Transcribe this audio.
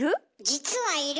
実はいる！